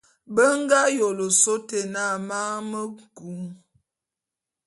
Be nga yôle ôsôé ôte na Man me nku.